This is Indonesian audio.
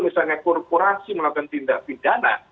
misalnya korporasi melakukan tindak pidana